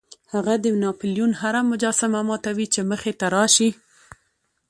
هغه د ناپلیون هره مجسمه ماتوي چې مخې ته راشي.